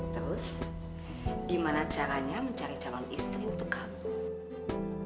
terus gimana caranya mencari calon istri untuk kamu